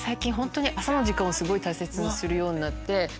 朝の時間をすごい大切にするようになって。